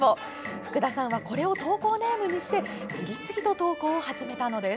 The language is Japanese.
福田さんはこれを投稿ネームにして次々と投稿を始めたんです。